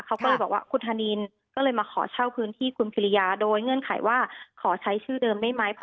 เขาก็เลยบอกว่าคุณธนินก็เลยมาขอเช่าพื้นที่คุณพิริยาโดยเงื่อนไขว่าขอใช้ชื่อเดิมได้ไหม